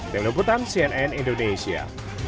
tim lumputan cnn indonesia